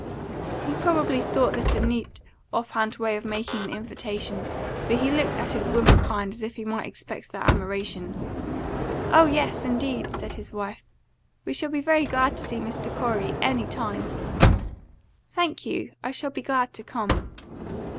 He probably thought this a neat, off hand way of making the invitation, for he looked at his woman kind as if he might expect their admiration. "Oh yes, indeed!" said his wife. "We shall be very glad to see Mr. Corey, any time." "Thank you; I shall be glad to come."